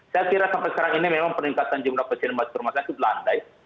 saya kira sampai sekarang ini memang peningkatan jumlah pasien masuk rumah sakit landai